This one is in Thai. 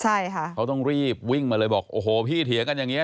ใช่ค่ะเขาต้องรีบวิ่งมาเลยบอกโอ้โหพี่เถียงกันอย่างนี้